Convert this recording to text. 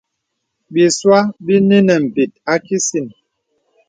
Bìsua bìnə nə̀ m̀bìt a kìsìn.